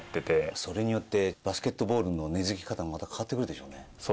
それによってバスケットボールの根付き方もまた変わってくるでしょうね。